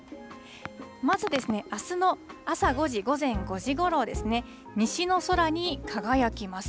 まずあすの朝５時、午前５時ごろですね、西の空に輝きます。